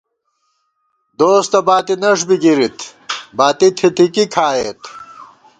دوس تہ باتی نَݭ بی گِرِت ، باتی تِھتِھکی کھائېت